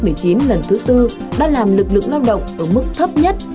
dịch covid một mươi chín lần thứ bốn đã làm lực lượng lao động ở mức thấp nhất